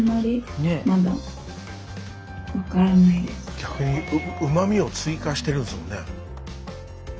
逆にうま味を追加してるんですもんね。